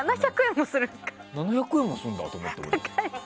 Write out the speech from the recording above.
７００円もするんだと思って。